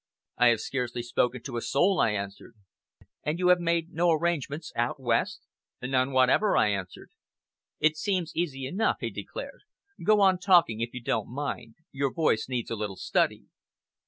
"I have scarcely spoken to a soul," I answered. "And you have made no arrangements out West?" "None whatever," I answered. "It seems easy enough," he declared. "Go on talking, if you don't mind. Your voice needs a little study."